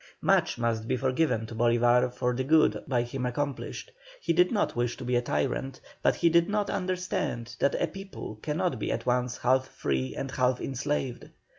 Much must be forgiven to Bolívar for the good by him accomplished. He did not wish to be a tyrant, but he did not understand that a people cannot be at once half free and half enslaved.